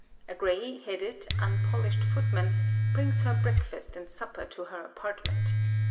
A grey headed unpolished footman, brings her breakfast and supper to her apartment.